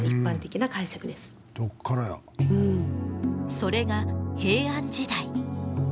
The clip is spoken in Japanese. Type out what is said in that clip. それが平安時代。